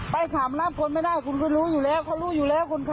ขำรับคนไม่ได้คุณก็รู้อยู่แล้วเขารู้อยู่แล้วคุณค่ะ